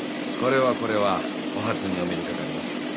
これはこれはお初にお目にかかります。